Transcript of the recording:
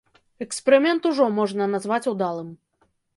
Эксперымент ўжо можна назваць удалым.